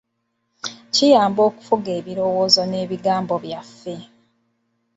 Kuyamba okufuga ebirowoozo n'ebigambo byaffe.